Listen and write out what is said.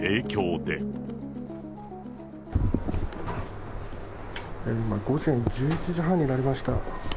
今、午前１１時半になりました。